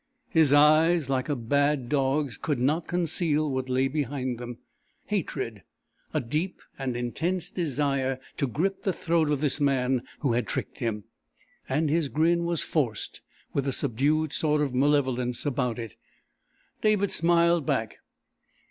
His eyes, like a bad dog's, could not conceal what lay behind them hatred, a deep and intense desire to grip the throat of this man who had tricked him; and his grin was forced, with a subdued sort of malevolence about it. David smiled back.